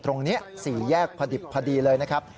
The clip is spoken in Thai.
ตรงนี้๔แยกพอดิบพอดีเลยนะครับ